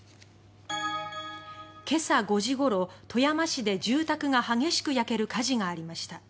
今朝５時ごろ、富山市で住宅が激しく焼ける火事がありました。